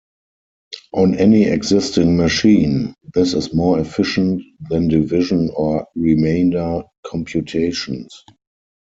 On any existing machine, this is more efficient than division or remainder computations.